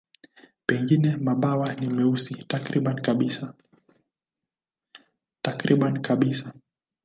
Pengine mabawa ni meusi takriban kabisa.